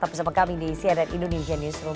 tapi sama kami di cnn indonesia newsroom